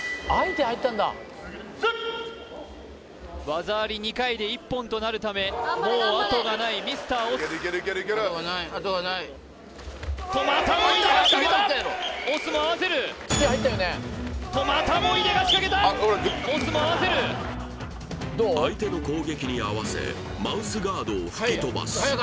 技あり２回で一本となるためもうあとがないミスター押忍とまたも井手が仕掛けた押忍も合わせるとまたも井手が仕掛けた押忍も合わせる相手の攻撃に合わせマウスガードを吹き飛ばす